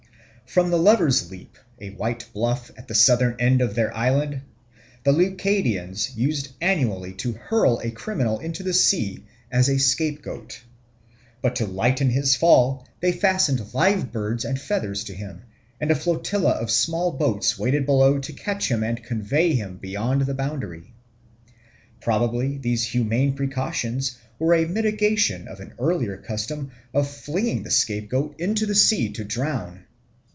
From the Lover's Leap, a white bluff at the southern end of their island, the Leucadians used annually to hurl a criminal into the sea as a scapegoat. But to lighten his fall they fastened live birds and feathers to him, and a flotilla of small boats waited below to catch him and convey him beyond the boundary. Probably these humane precautions were a mitigation of an earlier custom of flinging the scapegoat into the sea to drown.